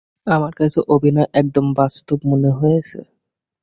আমার কাছে অভিনয় একদম বাস্তব মনে হয়েছে।